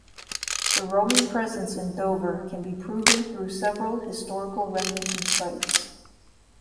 The Roman presence in Dover can be proven through several historical remnants and sites.